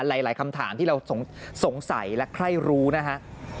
หลายคำถามที่เราสงสัยและใครรู้นะฮะ